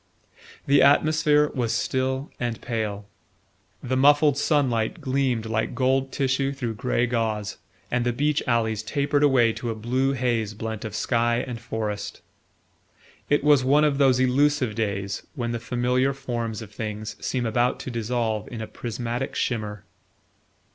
The atmosphere was still and pale. The muffled sunlight gleamed like gold tissue through grey gauze, and the beech alleys tapered away to a blue haze blent of sky and forest. It was one of those elusive days when the familiar forms of things seem about to dissolve in a prismatic shimmer.